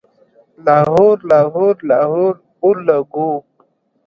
لاهور، لاهور، لاهور اولګوو